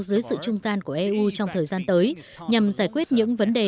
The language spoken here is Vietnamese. dưới sự trung gian của eu trong thời gian tới nhằm giải quyết những vấn đề